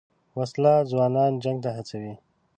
وسله ځوانان جنګ ته هڅوي